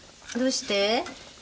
どうして？